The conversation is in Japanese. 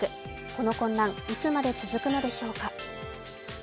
この混乱、いつまで続くのでしょうか。